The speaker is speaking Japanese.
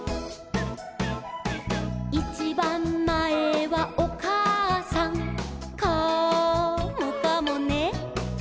「いちばんまえはおかあさん」「カモかもね」